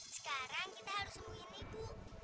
sekarang kita harus sembuhin ibu